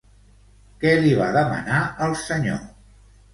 Què li va demanar el senyor?